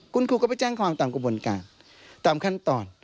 คุณครูก็ไปแจ้งความตามกระบวนการตามขั้นตอน